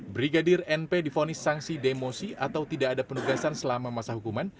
brigadir np difonis sanksi demosi atau tidak ada penugasan selama masa hukuman